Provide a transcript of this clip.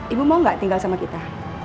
ibu mau nggak tinggal sama kita